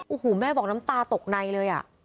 โอ้โหแม่บอกน้ำตาตกในเลยอ่ะ